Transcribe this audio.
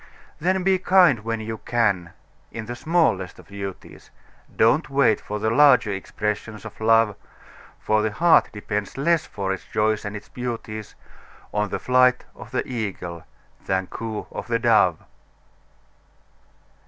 Then be kind when you can in the smallest of duties, Don't wait for the larger expressions of Love; For the heart depends less for its joys and its beauties On the flight of the Eagle than coo of the Dove.